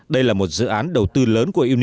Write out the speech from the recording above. đây là một dự án đầu tư lớn của uni